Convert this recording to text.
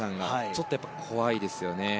ちょっと怖いですよね。